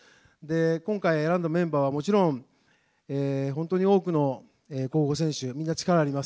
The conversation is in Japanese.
今回選んだメンバーはもちろん、本当に多くの候補選手、みんな力あります。